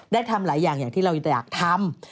ทำหลายอย่างอย่างที่เราอยากทำ